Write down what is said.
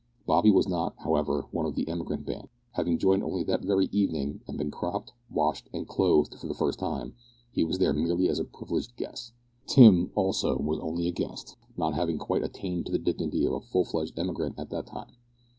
Bobby was not, however, one of the emigrant band. Having joined only that very evening, and been cropped, washed, and clothed for the first time, he was there merely as a privileged guest. Tim, also, was only a guest, not having quite attained to the dignity of a full fledged emigrant at that time.